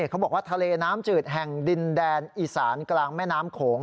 เขาบอกว่าทะเลน้ำจืดแห่งดินแดนอีสานกลางแม่น้ำโขง